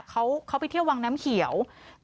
เขาไปเที่ยววังน้ำเขียว